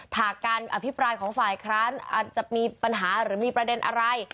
หากการอภิปรายของฝ่ายค้านอาจจะมีปัญหาหรือมีประเด็นอะไร